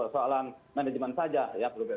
soalan manajemen saja ya perlu saya